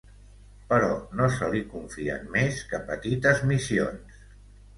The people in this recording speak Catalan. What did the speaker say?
Però no se li confien més que petites missions.